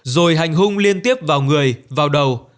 rồi hành hung liên tiếp vào người vào đầu